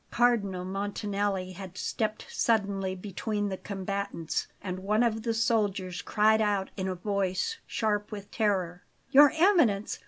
Cardinal Montanelli had stepped suddenly between the combatants; and one of the soldiers cried out in a voice sharp with terror: "Your Eminence!